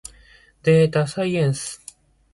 でーたさいえんす。